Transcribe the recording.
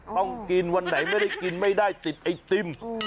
ต้องกินวันไหนไม่ได้กินไม่ได้ติดไอติม